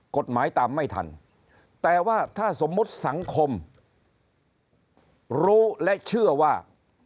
กฎหมายตามไม่ทันแต่ว่าถ้าสมมุติสังคมรู้และเชื่อว่า